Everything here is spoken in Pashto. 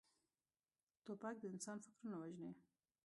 توپک د انسان فکرونه وژني.